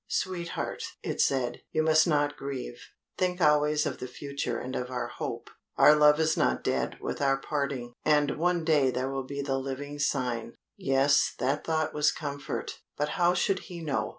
"Sweetheart," it said, "you must not grieve think always of the future and of our hope. Our love is not dead with our parting, and one day there will be the living sign " Yes, that thought was comfort but how should he know?